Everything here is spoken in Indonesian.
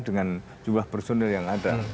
dengan jumlah personil yang ada